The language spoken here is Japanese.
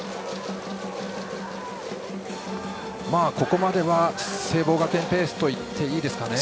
ここまでは聖望学園ペースといっていいですかね。